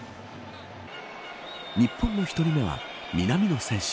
日本の１人目は南野選手。